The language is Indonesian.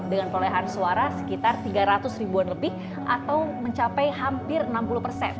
dengan perolehan suara sekitar tiga ratus ribuan lebih atau mencapai hampir enam puluh persen